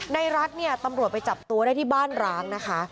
รัฐเนี่ยตำรวจไปจับตัวได้ที่บ้านร้างนะคะ